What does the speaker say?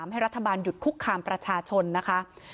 ให้รัฐบาลหยุดคุกคามประชาชนนะคะ